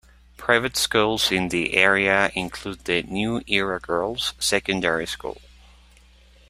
Private schools in the area include the New Era Girls Secondary School.